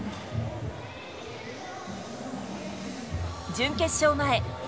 準決勝前。